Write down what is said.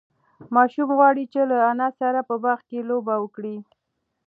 ماشوم غواړي چې له انا سره په باغ کې لوبه وکړي.